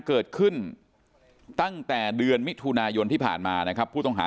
เกิดขึ้นตั้งแต่เดือนมิถุนายนที่ผ่านมานะครับผู้ต้องหา